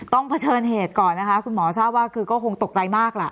เผชิญเหตุก่อนนะคะคุณหมอทราบว่าคือก็คงตกใจมากล่ะ